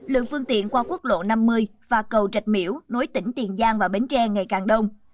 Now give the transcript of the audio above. lượng phương tiện qua quốc lộ năm mươi và cầu trạch miễu nối tỉnh tiền giang và bến tre ngày càng đông